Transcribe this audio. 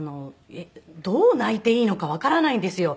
どう泣いていいのかわからないんですよ。